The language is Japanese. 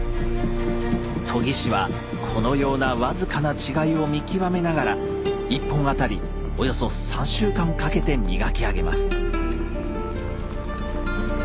研ぎ師はこのような僅かな違いを見極めながら１本当たりおよそ３週間かけて磨き上げます。